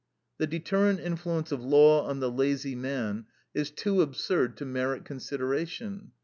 The deterrent influence of law on the lazy man is too absurd to merit consideration.